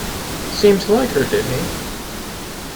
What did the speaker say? Seemed to like her, did he?